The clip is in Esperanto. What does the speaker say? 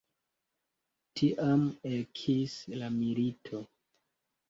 Tiam ekis la milito.